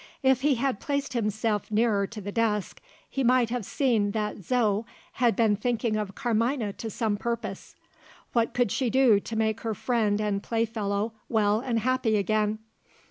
If he had placed himself nearer to the desk, he might have seen that Zo had been thinking of Carmina to some purpose. What could she do to make her friend and playfellow well and happy again?